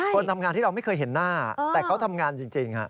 คนทำงานที่เราไม่เคยเห็นหน้าแต่เขาทำงานจริง